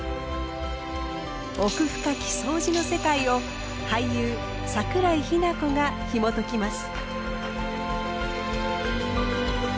奥深きそうじの世界を俳優桜井日奈子がひもときます。